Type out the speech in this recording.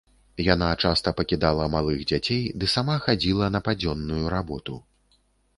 Яна часта пакідала малых дзяцей ды сама хадзіла на падзённую работу.